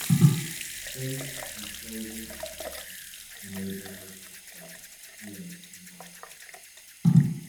Since the closing of the plant, the neighborhood has gone through an economic depression.